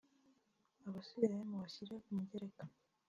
abasigaye mubashyire ku mugereka.